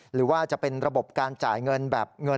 หรือว่าจะเป็นระบบการจ่ายเงินแบบเงิน